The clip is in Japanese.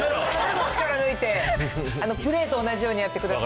もっと力抜いて、プレーと同じようにやってください。